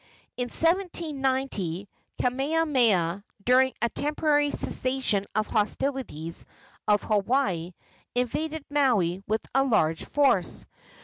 In 1790 Kamehameha, during a temporary cessation of hostilities on Hawaii, invaded Maui with a large force.